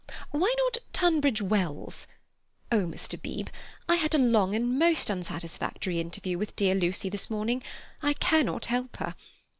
Why not Tunbridge Wells? Oh, Mr. Beebe! I had a long and most unsatisfactory interview with dear Lucy this morning. I cannot help her.